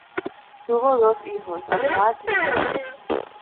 Tuvo dos hijos: Arnaud y Jean.